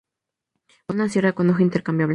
Una sierra con hoja intercambiable.